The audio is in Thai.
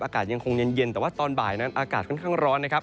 อากาศยังคงเย็นแต่ว่าตอนบ่ายนั้นอากาศค่อนข้างร้อนนะครับ